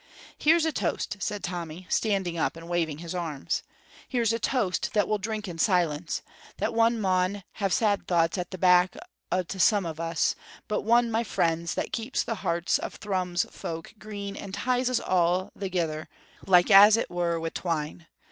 "Here's a toast," said Tommy, standing up and waving his arms, "here's a toast that we'll drink in silence, one that maun have sad thoughts at the back o't to some of us, but one, my friends, that keeps the hearts of Thrums folk green and ties us all thegither, like as it were wi' twine.